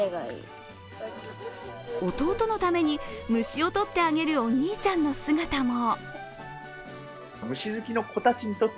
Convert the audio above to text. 弟のために虫を捕ってあげるお兄ちゃんの姿も。